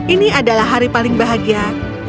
ini adalah hari paling bahagia